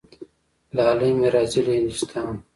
لالی مي راځي له هندوستانه